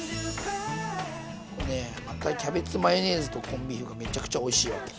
こうねまたキャベツマヨネーズとコンビーフがめちゃくちゃおいしいわけ。